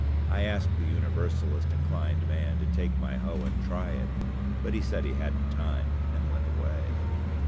I asked the Universalist inclined man to take my hoe and try it; but he said he hadn't time, and went away.